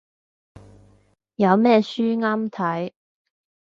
有咩書啱睇